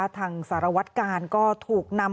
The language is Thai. เผื่อ